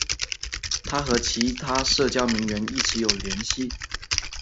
她和其他社交名媛一直有联系。